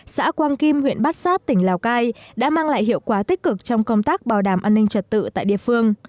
xã quang kim huyện bát sát tỉnh lào cai đã mang lại hiệu quả tích cực trong công tác bảo đảm an ninh trật tự tại địa phương